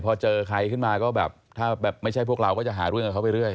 พอเจอใครขึ้นมาก็แบบถ้าแบบไม่ใช่พวกเราก็จะหาเรื่องกับเขาไปเรื่อย